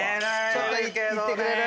ちょっといってくれる？